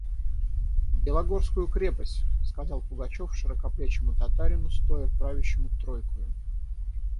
«В Белогорскую крепость!» – сказал Пугачев широкоплечему татарину, стоя правящему тройкою.